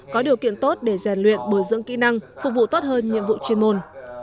có điều kiện tốt để rèn luyện bồi dưỡng kỹ năng phục vụ tốt hơn nhiệm vụ chuyên môn